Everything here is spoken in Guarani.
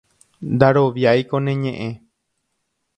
ndaroviáiko ne ñe'ẽ